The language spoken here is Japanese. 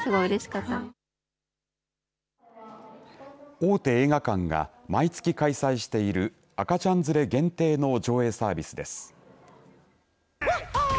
大手映画館が毎月開催している赤ちゃん連れ限定の上映サービスです。